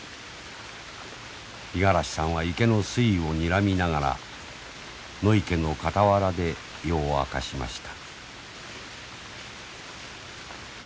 五十嵐さんは池の水位をにらみながら野池の傍らで夜を明かしました。